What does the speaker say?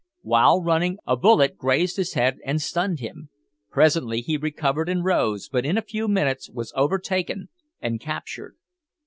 While running, a bullet grazed his head and stunned him. Presently he recovered and rose, but in a few minutes was overtaken and captured.